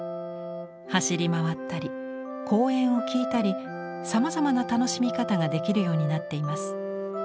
走り回ったり講演を聴いたりさまざまな楽しみ方ができるようになっています。